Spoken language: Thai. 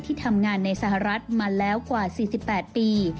ที่ทำงานในสหรัฐมาแล้วกว่า๔๘ปี